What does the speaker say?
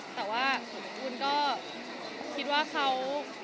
แต่ว่าคุณก็คิดว่าเขา